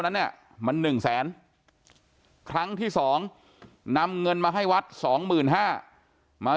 นั้นเนี่ยมัน๑แสนครั้งที่๒นำเงินมาให้วัดสองหมื่นห้ามา